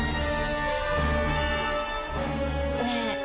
ねえ